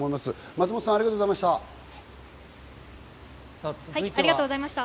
松本さん、ありがとうございました。